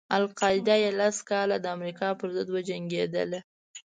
القاعده یې لس کاله د امریکا پر ضد وجنګېدله.